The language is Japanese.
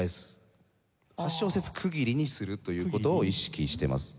８小節区切りにするという事を意識してます。